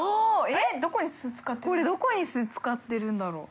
海どこに酢使ってるんだろう？